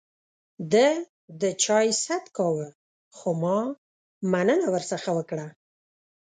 ده د چای ست کاوه ، خو ما مننه ورڅخه وکړه.